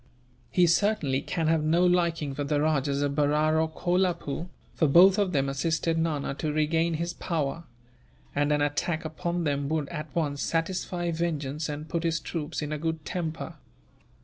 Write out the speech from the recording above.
He certainly can have no liking for the Rajahs of Berar or Kolapoore, for both of them assisted Nana to regain his power; and an attack upon them would, at once, satisfy vengeance and put his troops in a good temper."